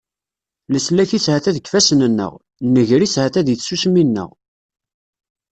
Leslak-is ha-t-a deg yifassen-nneɣ, nnger-is ha-t-a deg tsusmi-nneɣ.